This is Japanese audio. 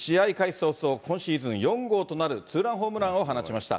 早々、今シーズン４号となるツーランホームランを放ちました。